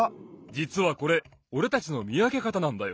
じつはこれおれたちのみわけかたなんだよ。